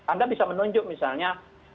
anda bisa menunjuk misalnya